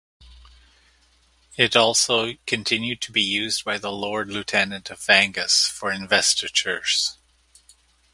It also continued to be used by the Lord Lieutenant of Angus for investitures.